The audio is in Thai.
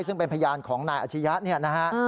ซึ่งเป็นพยานของนายอาชียะเนี่ยนะฮะ